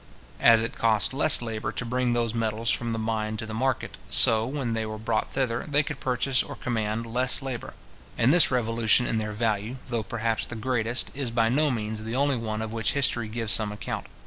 As it cost less labour to bring those metals from the mine to the market, so, when they were brought thither, they could purchase or command less labour; and this revolution in their value, though perhaps the greatest, is by no means the only one of which history gives some account.